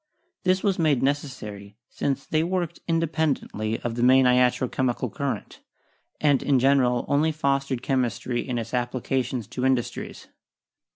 This was made necessary, since they worked independently of the main iatro chemical current and, in general, only fostered chem istry in its applications to industries.